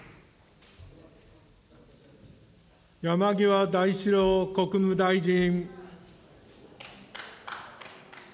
山際大志郎国務大臣。